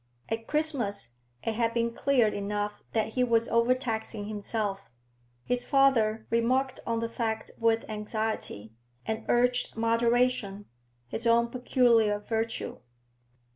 At Christmas it had been clear enough that he was overtaxing himself; his father remarked on the fact with anxiety, and urged moderation, his own peculiar virtue.